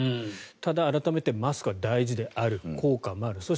ただ、改めてマスクは大事である効果もある。